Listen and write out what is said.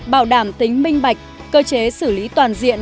bảo đảm tính minh bạch cơ chế xử lý toàn diện